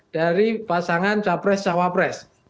dari pasangan cawapres cawapres